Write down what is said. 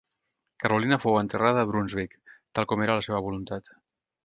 Carolina fou enterrada a Brunsvic tal com era la seva voluntat.